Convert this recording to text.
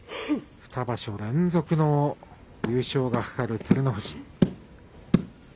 ２場所連続の優勝がかかる照ノ富士。